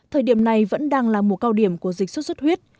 thời điểm này vẫn đang là mùa cao điểm của dịch xuất xuất huyết